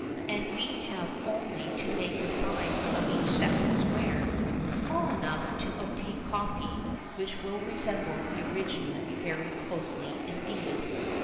And we have only to make the size of each separate square small enough to obtain a copy which will resemble the original very closely indeed.